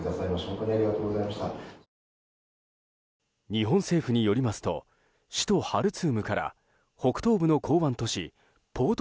日本政府によりますと首都ハルツームから北東部の港湾都市ポート